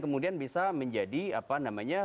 kemudian bisa menjadi apa namanya